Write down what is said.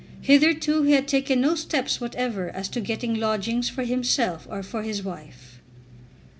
Hitherto he had taken no steps whatever as to getting lodgings for himself or for his wife.